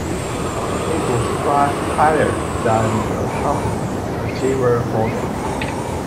It was priced higher than the company's Achiever model.